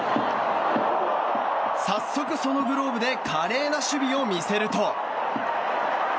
早速、そのグローブで華麗な守備を見せると。